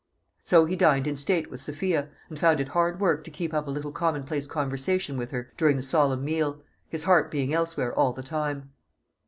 So he dined in state with Sophia, and found it hard work to keep up a little commonplace conversation with her during the solemn meal his heart being elsewhere all the time.